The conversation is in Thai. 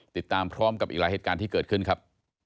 ติดตามพร้อมกับอีกหลายเหตุการณ์ที่เกิดขึ้นครับ